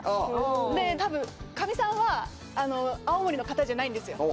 で多分かみさんは青森の方じゃないんですよ。